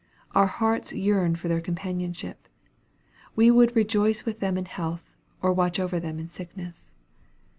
Our hearts yearn for their companionship. We would rejoice with them in health, or watch over them in sickness.